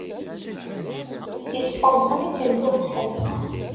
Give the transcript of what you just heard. Yesṭenṭen-itent ubeḥri.